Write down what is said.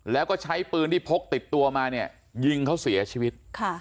แล้วก็ใช้ปืนที่พกติดตัวมาเนี่ยยิงเขาเสียชีวิต